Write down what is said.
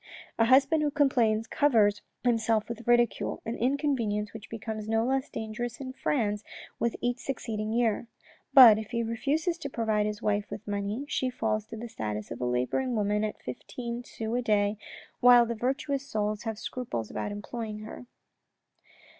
A husband who complains covers himself with ridicule, an inconvenience which becomes no less dangerous in France with each succeeding year; but if he refuses to provide his wife with money, she falls to the status of a labouring woman at fifteen sous a day, while the virtuous souls have scruples about employing her.